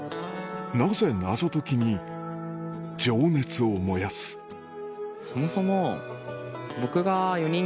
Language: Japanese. なぜ謎解きに情熱を燃やすフフフフ。